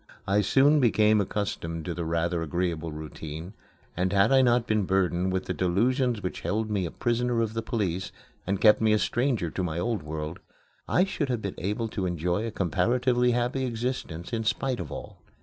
I soon became accustomed to the rather agreeable routine, and had I not been burdened with the delusions which held me a prisoner of the police, and kept me a stranger to my old world, I should have been able to enjoy a comparatively happy existence in spite of all.